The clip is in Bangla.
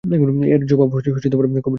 এর জবাব কবির ভাষায় দিতে হয়।